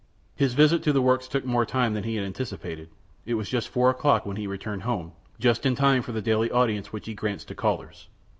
His visit to the works took more time than he had anticipated. It was four o'clock when he returned home, just in time for the daily audience which he grants to callers.